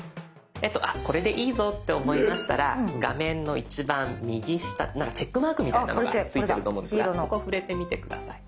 これでいいぞって思いましたら画面の一番右下何かチェックマークみたいなのが付いてると思うんですがそこ触れてみて下さい。